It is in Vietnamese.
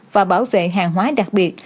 và bảo vệ hàng hóa đặc biệt